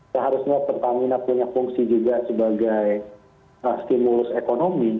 seharusnya pertamina punya fungsi juga sebagai stimulus ekonomi